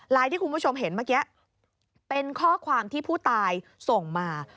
ที่คุณผู้ชมเห็นเมื่อกี้เป็นข้อความที่ผู้ตายส่งมา